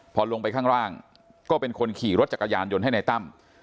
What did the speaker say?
พอลงไปข้างล่างก็เป็นคนขี่รถจักรยานยนต์ให้ในตั้ม